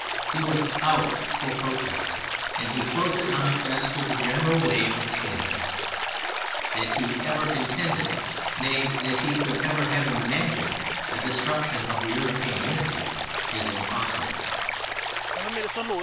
He was "out" for protest and he floated on the crest of the general wave of change. That he ever intended, nay, that he could ever have imagined, a disruption of the European Unity is impossible.